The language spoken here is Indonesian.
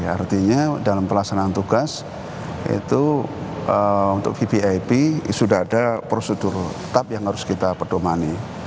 artinya dalam pelaksanaan tugas itu untuk vvip sudah ada prosedur tetap yang harus kita perdomani